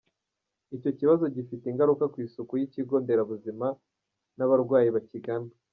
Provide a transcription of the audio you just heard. Icyo kibazo gifite ingaruka ku isuku y’ikigo nderabuzima n’abarwayi bakigana.